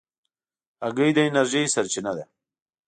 هګۍ د انرژۍ سرچینه ده.